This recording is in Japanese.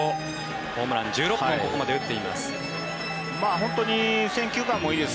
ホームラン１６本をここまで打っています。